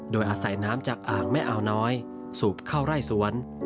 โดยอาศัยน้ำจากอ่างแม่อาวน้อยสูบเข้าไร่สวน